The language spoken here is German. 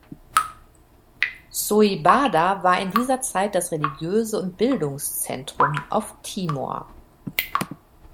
Soibada war in dieser Zeit das religiöse und Bildungszentrum auf Timor.